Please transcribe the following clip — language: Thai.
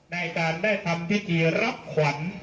ในการได้ทำพิธีรับขวัญ